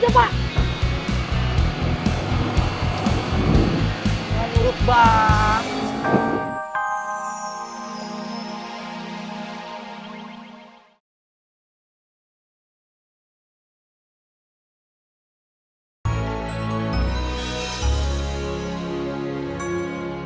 yaudah dikit pak